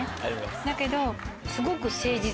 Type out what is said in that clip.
だけど。